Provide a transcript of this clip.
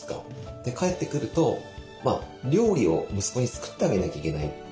で帰ってくると料理を息子に作ってあげなきゃいけない。